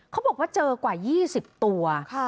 เขาบอกว่าเจอกว่า๒๐ตัว